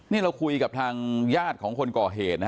นี่เราคุยกับทางญาติของคนก่อเหตุนะ